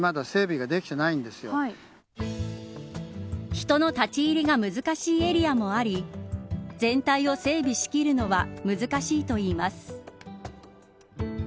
人の立ち入りが難しいエリアもあり全体を整備しきるのは難しいといいます。